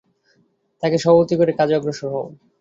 তাঁকে সভাপতি করে কাজে অগ্রসর হও।